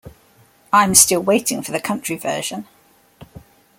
I'm still waiting for the country version.